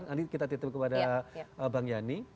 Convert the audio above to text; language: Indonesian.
nanti kita titip kepada bang yani